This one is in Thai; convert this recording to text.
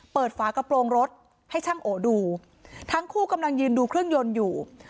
ฝากระโปรงรถให้ช่างโอดูทั้งคู่กำลังยืนดูเครื่องยนต์อยู่